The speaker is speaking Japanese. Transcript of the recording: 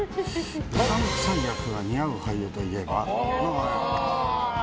うさんくさい役が似合う俳優といえば？